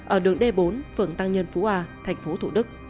ở đường d bốn phường tăng nhân phú a tp thủ đức